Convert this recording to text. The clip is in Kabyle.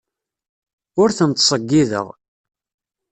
Ur ten-ttṣeyyideɣ.